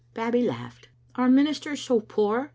Babbie laughed. "Are ministers so poor?'